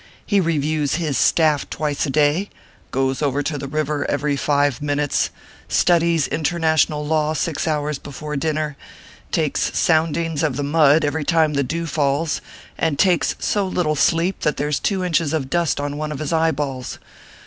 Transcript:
He reviews his staff twice a day, goes over the river every five minutes, studies international law six hours before dinner, takes soundings of the mud every time the dew falls, and takes so little sleep, that there s two inches of dust on one of his eye balls.